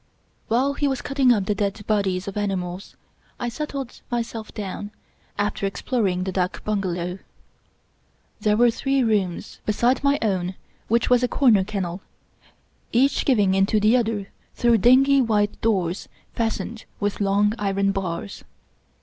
While he was cutting up the dead bodies of animals, I settled myself down, after exploring the dak bungalow. There were three rooms, beside my own, which was a cor ner kennel, each giving into the other through dingy white doors fastened with long iron bars.